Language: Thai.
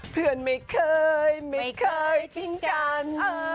เพื่อนไม่เคยไม่เคยทิ้งกัน